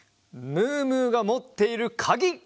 ムームーがもっているかぎ！